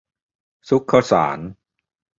ซุกข้าวสาร